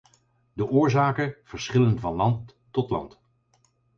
De oorzaken verschillen van land tot land.